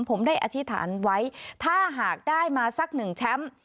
ผมได้อธิษฐานไว้ถ้าหากได้มาสักหนึ่งแชมป์